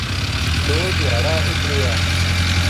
دو دھیاڑا اُت رہیا